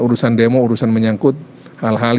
urusan demo urusan menyangkut hal hal